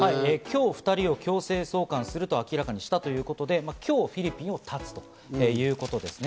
２人を強制送還すると明らかにしたということで、今日フィリピンをたつということですね。